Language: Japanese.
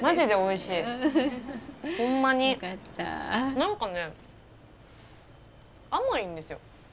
何かね甘いんですよ。